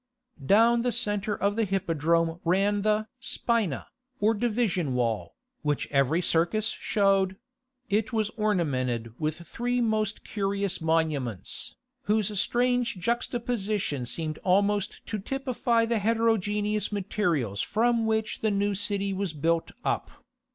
Down the centre of the Hippodrome ran the "spina," or division wall, which every circus showed; it was ornamented with three most curious monuments, whose strange juxtaposition seemed almost to typify the heterogeneous materials from which the new city was built up.